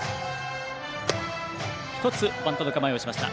１つバントの構えをしました。